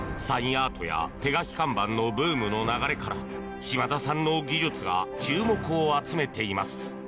アートや手書き看板のブームの流れから島田さんの技術が注目を集めています。